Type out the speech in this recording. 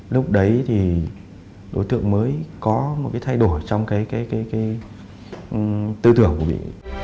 lúc đấy thì đối tượng mới có một cái thay đổi trong cái tư tưởng của vị